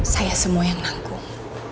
saya semua yang nanggung